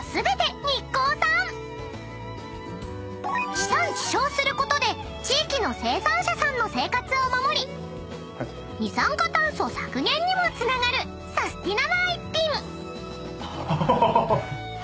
［地産地消することで地域の生産者さんの生活を守り二酸化炭素削減にもつながるサスティなな一品］